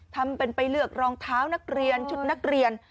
ทำเป็นไปเลือกรองเท้านักเรียนชุดนักเรียน